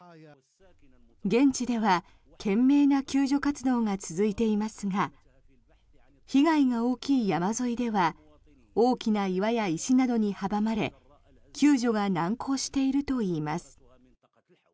現地では懸命な救助活動が続いていますが被害が大きい山沿いでは大きな岩や石などに阻まれ救助が難航しているといいます。